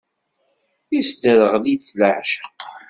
Isderɣel-itt leεceq.